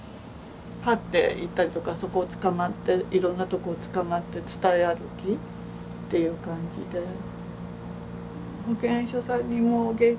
這って行ったりとかそこをつかまっていろんなとこをつかまって伝え歩きっていう感じで。